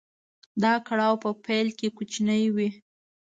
دا کړاو په پيل کې کوچنی وي.